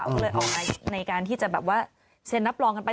ก็เลยเอามาในการที่จะแบบว่าเซ็นรับรองกันไป